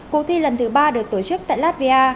cuộc thi lần thứ ba được tổ chức tại latvia